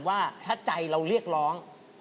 ว่าถ้าใจเราเรียกร้อง